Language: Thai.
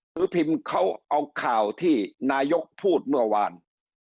ซื้อพิมพ์เขาเอาข่าวที่นายกพูดเมื่อวาน